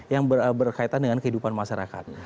yang berkaitan dengan kehidupan masyarakat